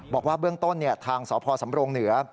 บอกว่าเบื้องต้นทางสพสำรงเหนือ